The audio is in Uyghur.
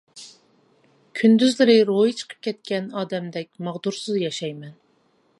كۈندۈزلىرى روھى چىقىپ كەتكەن ئادەمدەك ماغدۇرسىز ياشايمەن.